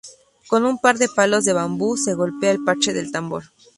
Con un par de palos de bambú, se golpea el parche del tambor.